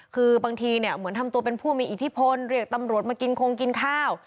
คือบางทีเนี่ยเหมือนทำตัวเป็นผู้มีอิทธิพลเรียกตำรวจมากินคงกินข้าว